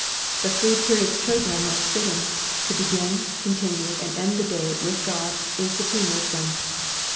The three periods chosen are most fitting ; to begin, continue, and end the day with God IS supreme wisdom.